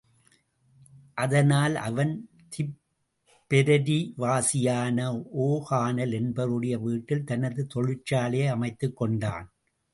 அதனால் அவன் திப்பெரரிவாசியான ஓ கானல் என்பவருடைய வீட்டில் தனது தொழிற்சாலையை அமைத்துக்கொண்டான்.